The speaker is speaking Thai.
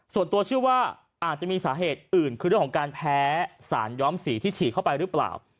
ส่วนตัวเชื่อว่าอาจจะมีสาเหตุอื่นคือเรื่องของการแพ้สารย้อมสีที่ฉีดเข้าไปหรือเปล่า